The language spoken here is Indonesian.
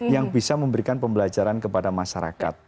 yang bisa memberikan pembelajaran kepada masyarakat